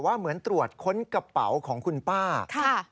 แล้วมึงไปส่งไว้